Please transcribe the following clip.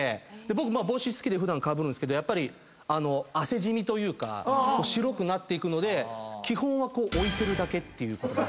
僕帽子好きで普段かぶるんすけどやっぱり汗染みというか白くなっていくので基本はこう。